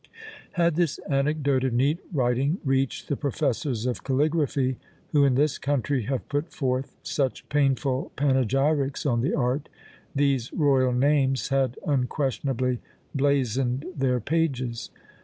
Had this anecdote of neat writing reached the professors of caligraphy, who in this country have put forth such painful panegyrics on the art, these royal names had unquestionably blazoned their pages.